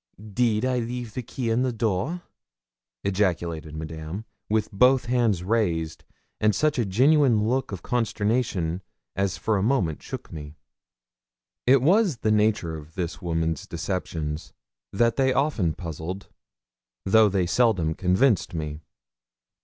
'Deed I leave the key in the door?' ejaculated Madame, with both hands raised, and such a genuine look of consternation as for a moment shook me. It was the nature of this woman's deceptions that they often puzzled though they seldom convinced me.